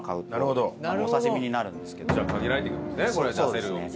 じゃあ限られてくるんですねこれ出せるお店。